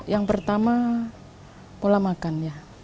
yang pertama pola makan ya